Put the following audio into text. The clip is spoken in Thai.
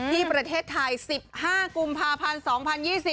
ที่ประเทศไทย๑๕กุมภาพันธ์๒๐๒๐